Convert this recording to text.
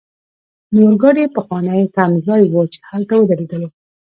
د اورګاډي پخوانی تمځای وو، چې هلته ودریدلو.